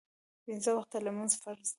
پنځه وخته لمونځ فرض ده